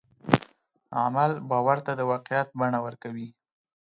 عمل باور ته د واقعیت بڼه ورکوي.